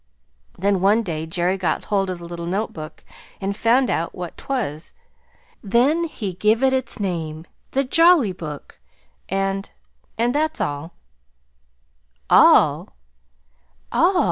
Then one day Jerry got hold of the little notebook, and found out what 'twas. Then he give it its name the Jolly Book. And and that's all." "All ALL!"